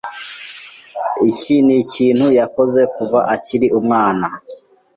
Iki nikintu yakoze kuva akiri umwana.